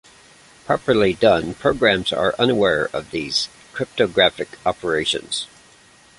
Properly done, programs are unaware of these cryptographic operations.